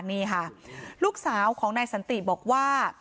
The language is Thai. นี่ค่ะลูกสาวของนายสันติบอกว่า